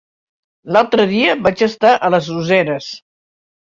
L'altre dia vaig estar a les Useres.